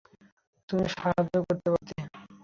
তুমি সাহায্য করতে পারতে।